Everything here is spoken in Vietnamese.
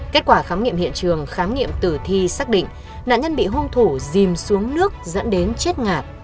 kết quả khám nghiệm hiện trường khám nghiệm tử thi xác định nạn nhân bị hôn thủ dìm xuống nước dẫn đến chết ngạt